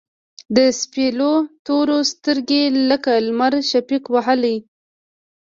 د سپیڅلو تورو، سترګې لکه لمر شفق وهلي